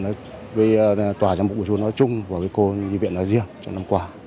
với tòa giám mục của chúng nó chung và với cô nhi viện nó riêng trong năm qua